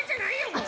もう！